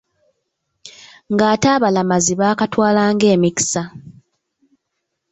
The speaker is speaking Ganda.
Ng’ate abalamazi bakatwala ng’emikisa.